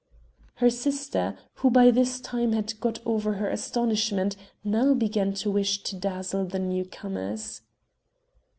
Her sister, who by this time had got over her astonishment, now began to wish to dazzle the new comers.